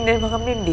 kau minum bakam dindi